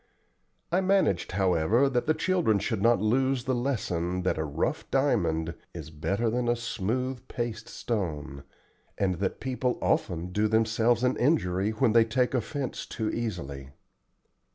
I managed, however, that the children should not lose the lesson that a rough diamond is better than a smooth paste stone, and that people often do themselves an injury when they take offence too easily.